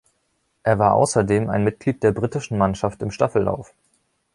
Er war außerdem ein Mitglied der britischen Mannschaft im Staffellauf.